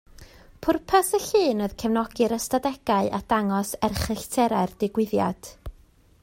Pwrpas y llun oedd cefnogi'r ystadegau a dangos erchyllterau'r digwyddiad